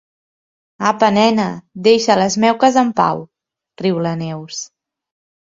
Apa, nena, deixa les meuques en pau —riu la Neus.